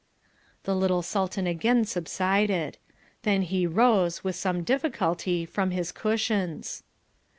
The little Sultan again subsided. Then he rose, with some difficulty, from his cushions.